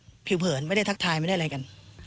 ก็ผิวเผินไม่ได้ทักทายไม่ได้อะไรกัน